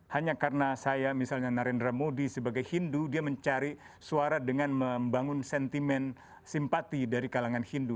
hanya karena saya misalnya narendra modi sebagai hindu dia mencari suara dengan membangun sentimen simpati dari kalangan hindu